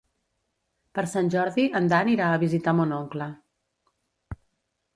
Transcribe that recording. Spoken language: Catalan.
Per Sant Jordi en Dan irà a visitar mon oncle.